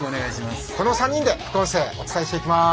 この３人で副音声、お伝えしていきます。